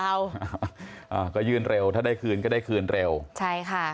อ่าอ่าก็ยื่นเร็วถ้าได้คืนก็ได้คืนเร็วใช่ค่ะ